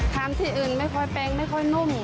ที่อื่นไม่ค่อยแปลงไม่ค่อยนุ่ม